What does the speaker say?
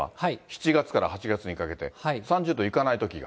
７月から８月にかけて、３０度いかないときが。